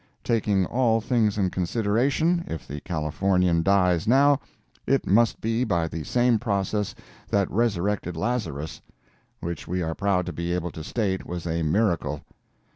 Taking all things in consideration, if the Californian dies now, it must be by the same process that resurrected Lazarus, which we are proud to be able to state was a miracle.